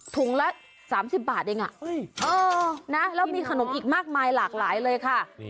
ถุงละ๓๐บาทเองแล้วมีขนมอีกมากมายหลากหลายเลยค่ะ